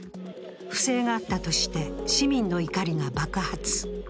不正があったとして市民の怒りが爆発。